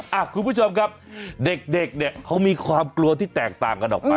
คุณผู้ชมครับเด็กเนี่ยเขามีความกลัวที่แตกต่างกันออกไป